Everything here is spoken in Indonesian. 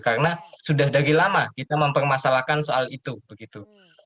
karena sudah dari lama kita mempermasalahkan soal itu begitu